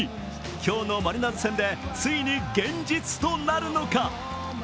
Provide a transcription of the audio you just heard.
今日のマリナーズ戦で、ついに現実となるのか？